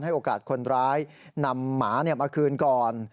โอกาสคนร้ายนำหมามาคืนก่อน